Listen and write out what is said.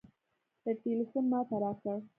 ده ټېلفون ما ته راکړ.